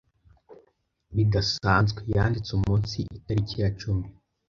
bidasanzwe.yanditse umunsi itariki ya cumi.